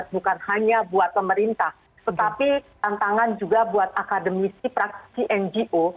bukan hanya buat pemerintah tetapi tantangan juga buat akademisi praksi ngo